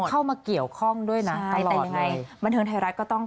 ที่เข้ามาเกี่ยวข้องด้วยนะตลอดเลย